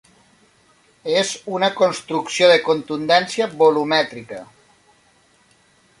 És una construcció de contundència volumètrica.